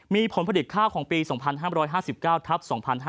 มีผลผลิตข้าวของปี๒๕๕๙ทับ๒๕๕๙